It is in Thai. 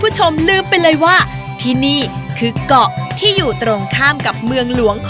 โอโหไทยแลนด์